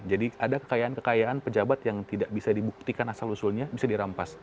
jadi ada kekayaan kekayaan pejabat yang tidak bisa dibuktikan asal usulnya bisa dirampas